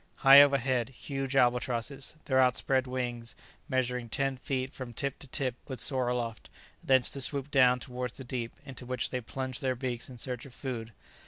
High over head, huge albatrosses, their outspread wings measuring ten feet from tip to tip, would soar aloft, thence to swoop down towards the deep, into which they plunged their beaks in search of food.